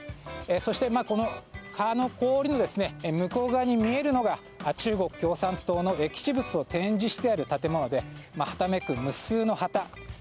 そして、この氷の向こう側に見えるのが中国共産党の歴史物を展示してある建物ではためく無数の旗。